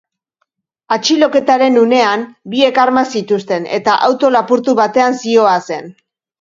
Atxiloketaren unean, biek armak zituzten, eta auto lapurtu batean zihoazen.